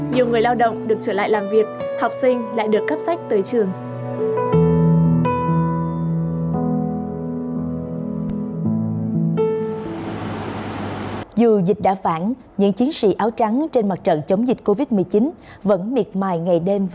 nhiều người lao động được trở lại làm việc học sinh lại được cấp sách tới trường